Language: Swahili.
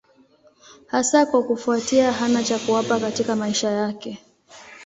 Hasa kwa kufuatia hana cha kuwapa katika maisha yake.